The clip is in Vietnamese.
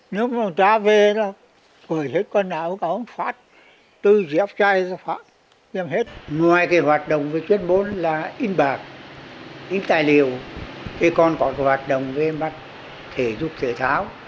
ngoài hoạt động với chuyên môn là in bạc in tài liệu còn có hoạt động với thể dục thể tháo